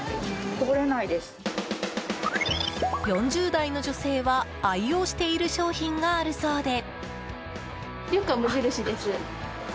４０代の女性は愛用している商品があるそうで。